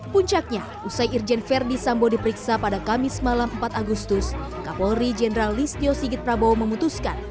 puncaknya usai irjen verdi sambo diperiksa pada kamis malam empat agustus kapolri jenderal listio sigit prabowo memutuskan